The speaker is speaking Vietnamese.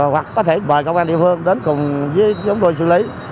hoặc có thể mời công an địa phương đến cùng với chúng tôi xử lý